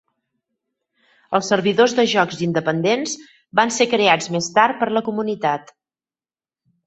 Els servidors de jocs independents van ser creats més tard per la comunitat.